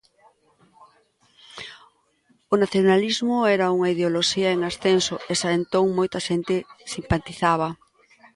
O nacionalismo era unha ideoloxía en ascenso e xa entón moita xente simpatizaba.